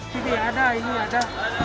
sini ada ini ada